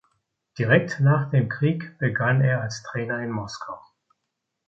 Direkt nach dem Krieg begann er als Trainer in Moskau.